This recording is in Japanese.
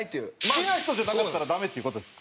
好きな人じゃなかったらダメっていう事です。